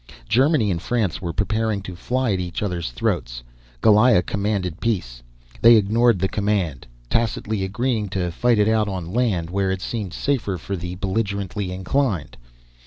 Germany and France were preparing to fly at each other's throats. Goliah commanded peace. They ignored the command, tacitly agreeing to fight it out on land where it seemed safer for the belligerently inclined.